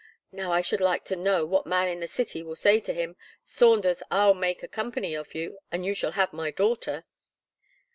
Now I should like to know what man in the city will say to him: 'Saunders, I'll make a Co. of you, and you shall have my daughter.'"